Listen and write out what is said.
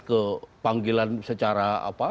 ke panggilan secara